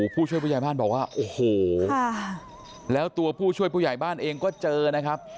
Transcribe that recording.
ผู้ช่วยผู้ใหญ่บ้านบอกว่าโอ้โหแล้วตัวผู้ช่วยผู้ใหญ่บ้านเองก็เจอนะครับ